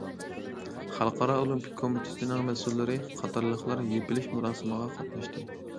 خەلقئارا ئولىمپىك كومىتېتىنىڭ مەسئۇللىرى قاتارلىقلار يېپىلىش مۇراسىمىغا قاتناشتى.